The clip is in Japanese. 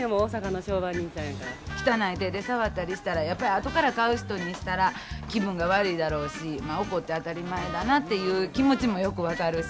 しませんよ、汚い手で触ったりしたら、やっぱりあとから買う人にしたら、気分が悪いだろうし、怒って当たり前だなっていう気持ちもよく分かるし。